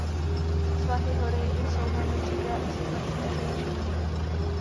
Svahy hory jsou velmi příkré a se značným převýšením.